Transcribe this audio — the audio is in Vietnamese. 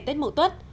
tết mộ tuất